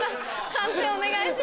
判定お願いします。